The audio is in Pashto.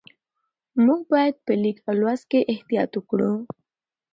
موږ باید په لیک او لوست کې احتیاط وکړو